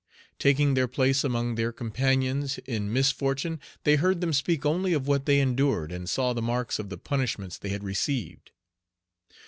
Taking their place among their companions in misfortune, they heard them speak only of what they endured, and saw the marks of the punishments they had received.